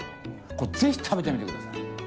これぜひ食べてみてください。